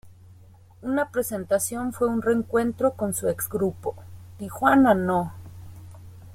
Una presentación fue un reencuentro con su ex-grupo Tijuana No!